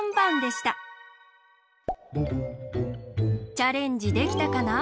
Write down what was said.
チャレンジできたかな？